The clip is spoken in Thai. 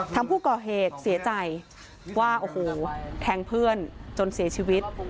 ทางผู้ก่อเหตุเสียใจว่าโอ้โหแทงเพื่อนจนเสียชีวิต